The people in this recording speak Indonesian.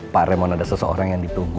pak remon ada seseorang yang ditunggu